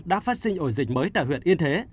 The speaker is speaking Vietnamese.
đã phát sinh ổ dịch mới tại huyện yên thế